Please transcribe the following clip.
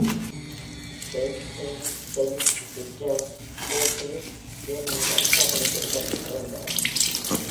Beilstein, Saint Petersburgல் German வம்சாவளி குடும்பத்தில் பிறந்தார்.